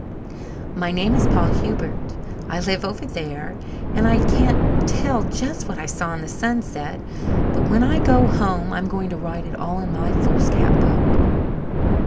"My name is Paul Hubert. I live over there. And I can't tell just what I saw in the sunset, but when I go home I'm going to write it all in my foolscap book."